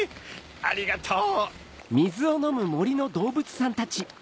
ありがとう。